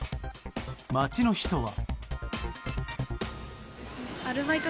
街の人は。